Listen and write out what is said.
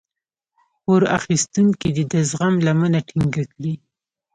پور اخيستونکی دې د زغم لمنه ټينګه کړي.